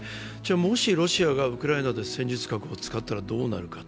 もしロシアがウクライナで戦術核を使ったらどうなるか。